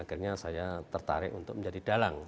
akhirnya saya tertarik untuk menjadi dalang